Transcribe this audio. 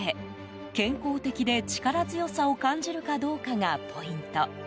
健康的で力強さを感じるかどうかがポイント。